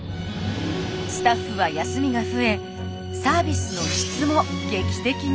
スタッフは休みが増えサービスの質も劇的に向上。